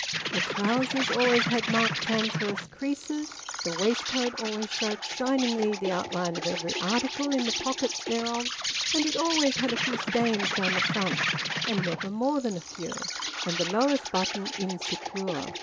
The trousers always had marked transverse creases; the waistcoat always showed shiningly the outline of every article in the pockets thereof, and it always had a few stains down the front (and never more than a few), and the lowest button insecure.